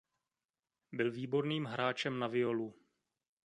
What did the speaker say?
Byl výborným hráčem na violu.